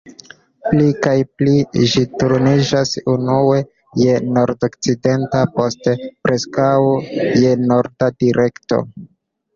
Pli kaj pli ĝi turniĝas unue je nordokcidenta, poste preskaŭ je norda direkto.